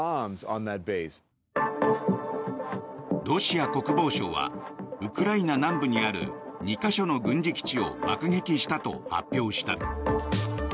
ロシア国防省はウクライナ南部にある２か所の軍事基地を爆撃したと発表した。